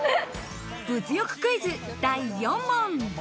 物欲クイズ、第４問。